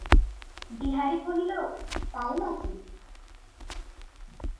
বিহারী কহিল, তাই না কি।